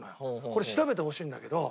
これ調べてほしいんだけど。